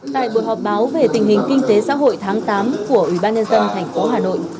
tại buổi họp báo về tình hình kinh tế xã hội tháng tám của ủy ban nhân dân thành phố hà nội